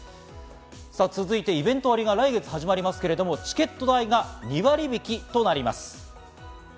続いて、イベント割が来月始まりますがチケット代が２割引きとなります。